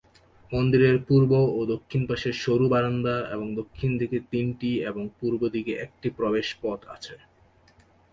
মন্দিরের পূর্ব ও দক্ষিণ পাশে সরু বারান্দা এবং দক্ষিণ দিকে তিনটি এবং পূর্ব দিকে একটি প্রবেশ পথ আছে।